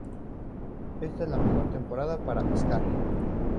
Esta es la mejor temporada para pescar.